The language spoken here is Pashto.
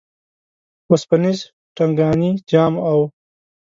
وسپنیز ټنګانی جام او